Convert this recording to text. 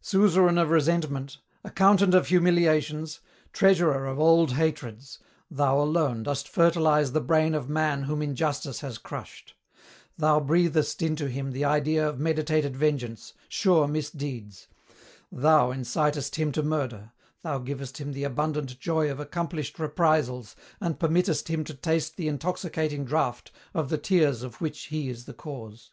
"Suzerain of Resentment, Accountant of Humiliations, Treasurer of old Hatreds, thou alone dost fertilize the brain of man whom injustice has crushed; thou breathest into him the idea of meditated vengeance, sure misdeeds; thou incitest him to murder; thou givest him the abundant joy of accomplished reprisals and permittest him to taste the intoxicating draught of the tears of which he is the cause.